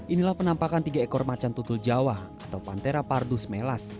inilah penampakan tiga ekor macan tutul jawa atau pantera pardus melas